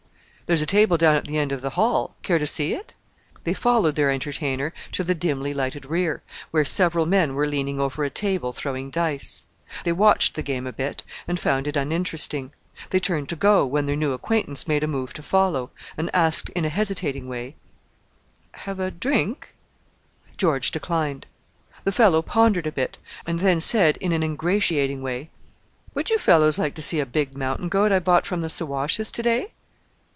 "There's a table down at the end of the hall. Care to see it?" They followed their entertainer to the dimly lighted rear, where several men were leaning over a table throwing dice. They watched the game a bit, and found it uninteresting. They turned to go, when their new acquaintance made a move to follow and asked in a hesitating way, "Have a drink?" George declined. The fellow pondered a bit, and then said in an ingratiating way, "Would you fellows like to see a big mountain goat I bought from the Siwashes to day?"